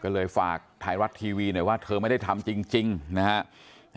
ก็เลยฝากถ่ายรัดทีวีหน่อยว่าเธอไม่ได้ทำจริงจริงนะฮะ